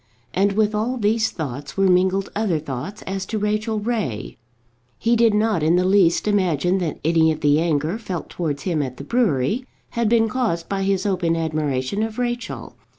And with all these thoughts were mingled other thoughts as to Rachel Ray. He did not in the least imagine that any of the anger felt towards him at the brewery had been caused by his open admiration of Rachel.